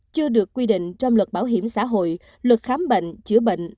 chưa được quy định trong luật bảo hiểm xã hội luật khám bệnh chữa bệnh